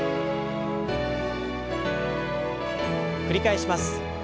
繰り返します。